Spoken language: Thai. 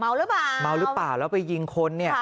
หรือเปล่าเมาหรือเปล่าแล้วไปยิงคนเนี่ย